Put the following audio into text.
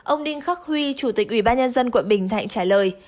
ông đinh khắc huy chủ tịch ủy ban nhân dân quận bình thạnh trả lời